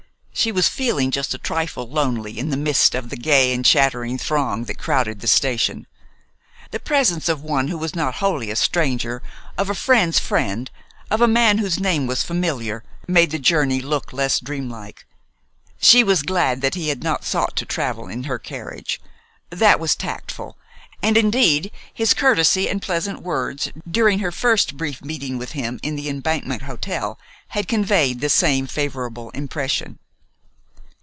She was feeling just a trifle lonely in the midst of the gay and chattering throng that crowded the station. The presence of one who was not wholly a stranger, of a friend's friend, of a man whose name was familiar, made the journey look less dreamlike. She was glad he had not sought to travel in her carriage. That was tactful, and indeed his courtesy and pleasant words during her first brief meeting with him in the Embankment Hotel had conveyed the same favorable impression.